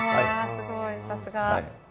すごいさすが！